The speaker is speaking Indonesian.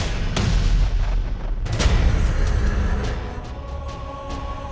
bapak dan ibu kita akan menemukan suatu kejadian yang sangat menarik